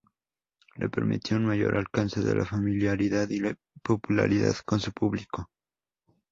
Le permitió un mayor alcance de la familiaridad y popularidad con su público.